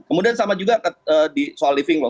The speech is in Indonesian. kemudian sama juga soal living law